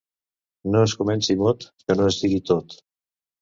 No es comenci mot que no es digui tot.